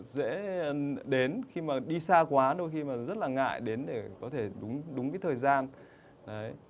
dễ đến khi mà đi xa quá đôi khi mà rất là ngại đến để có thể đúng cái thời gian